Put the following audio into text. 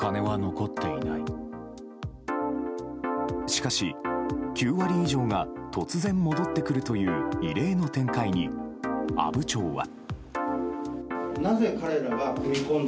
しかし、９割以上が突然戻ってくるという異例の展開に、阿武町は。